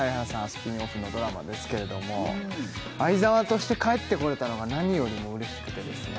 スピンオフのドラマですけれども愛沢として帰ってこれたのが何よりも嬉しくてですね